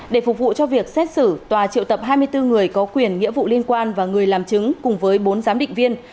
để phục vụ cho việc xét xử tòa triệu tập hai mươi bốn người có quyền nghĩa vụ liên quan và người làm chứng cùng với bốn giám định viên